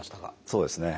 そうですね。